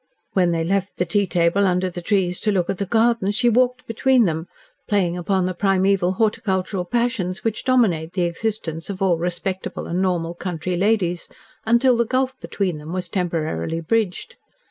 When they left the tea table under the trees to look at the gardens, she walked between them, playing upon the primeval horticultural passions which dominate the existence of all respectable and normal country ladies, until the gulf between them was temporarily bridged.